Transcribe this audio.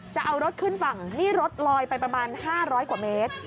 จะเอารถขึ้นฝั่งนี่รถลอยไปประมาณ๕๐๐กว่าเมตร